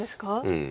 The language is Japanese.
うん。